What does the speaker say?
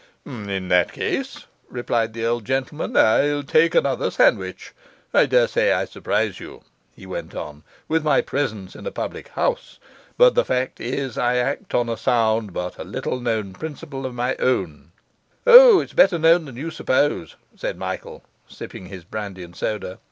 'In that case,' replied the old gentleman, 'I'll take another sandwich. I daresay I surprise you,' he went on, 'with my presence in a public house; but the fact is, I act on a sound but little known principle of my own ' 'O, it's better known than you suppose,' said Michael sipping his brandy and soda.